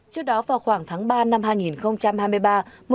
trước đó vào khoảng tháng ba năm hai nghìn hai mươi ba